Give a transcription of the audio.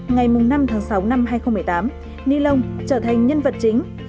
ngày năm tháng sáu năm hai nghìn một mươi tám ni lông trở thành nhân vật chính